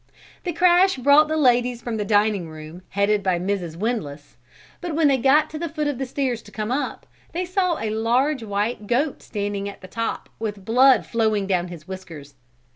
The crash brought the ladies from the dining room headed by Mrs. Windlass but when they got to the foot of the stairs to come up, they saw a large white goat standing at the top with blood flowing down his whiskers.